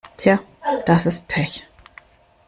Tja, das ist Pech.